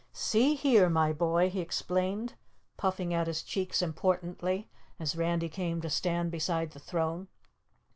"See here, my boy," he explained, puffing out his cheeks importantly, as Randy came to stand beside the throne.